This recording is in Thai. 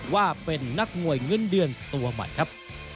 ว่าเป็นนักมวยเงินเดือนตัวใหม่ครับ